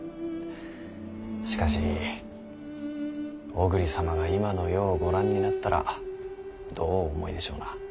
しかし小栗様が今の世をご覧になったらどうお思いでしょうな。